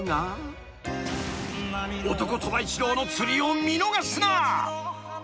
［男鳥羽一郎の釣りを見逃すな］